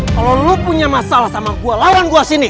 kalau lo punya masalah sama gua lawan gua sini